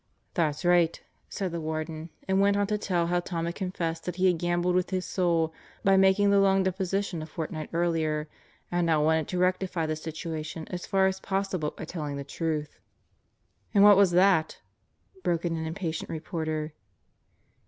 "That's right," said the Warden, and went on to tell how Tom had confessed that he had gambled with his soul by making the long deposition a fortnight earlier, and now wanted to rectify the situation as far as possible by telling the truth. "And what was that?" broke in an impatient reporter.